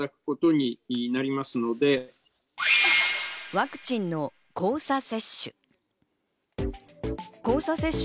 ワクチンの交差接種。